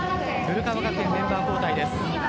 古川学園、メンバー交代です。